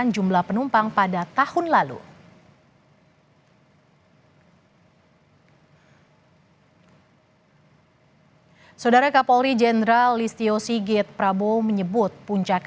jumlah penumpang pada tahun lalu saudara kapolri jenderal listio sigit prabowo menyebut puncak